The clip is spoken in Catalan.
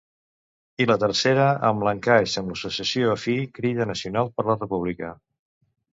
I la tercera amb l'encaix amb l'associació afí Crida Nacional per la República.